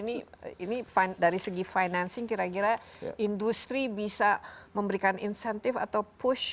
ini dari segi financing kira kira industri bisa memberikan insentif atau push